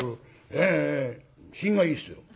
ええ品がいいですよ。